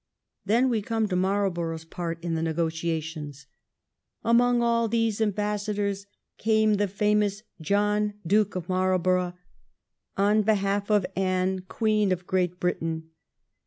Then we come to Marlborough's part in the negotiations. ' Among all these ambassadors came the famous John Duke of Marlborough on behalf of Anne, Queen of Great Britain.